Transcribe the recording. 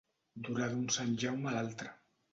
Durar d'un sant Jaume a l'altre.